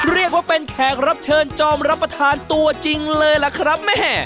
เรียกว่าเป็นแขกรับเชิญจอมรับประทานตัวจริงเลยล่ะครับแม่